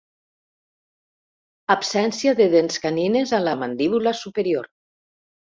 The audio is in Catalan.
Absència de dents canines a la mandíbula superior.